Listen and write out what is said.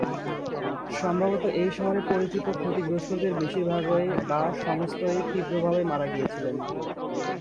সম্ভবত এই শহরে পরিচিত ক্ষতিগ্রস্তদের বেশিরভাগই বা সমস্তই তীব্রভাবে মারা গিয়েছিলেন।